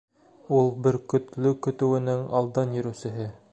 Ул Бөркөтлө көтөүенең алдан йөрөүсеһе.